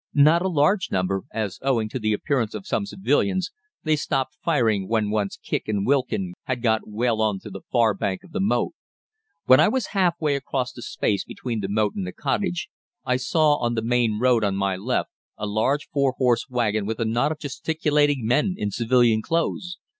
Not a large number, as owing to the appearance of some civilians they stopped firing when once Kicq and Wilkin had got well on to the far bank of the moat. When I was half way across the space between the moat and the cottage, I saw on the main road on my left a large four horse wagon with a knot of gesticulating men in civilian clothes.